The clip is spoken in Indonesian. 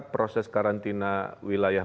proses karantina wilayah